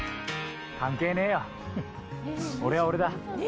関係ねえよ、俺は俺だ。